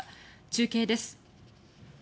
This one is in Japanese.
中継です。